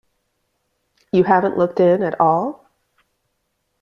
You haven't looked in at all?